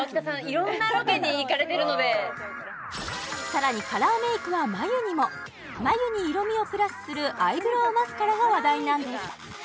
色んなロケに行かれてるのでさらにカラーメイクは眉にも眉に色味をプラスするアイブローマスカラが話題なんです